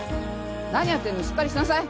何やってんのしっかりしなさい！